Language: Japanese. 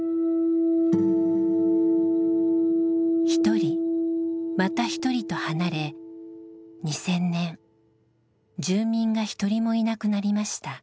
一人また一人と離れ２０００年住民が一人もいなくなりました。